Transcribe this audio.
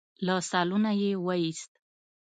له سالونه يې وايست.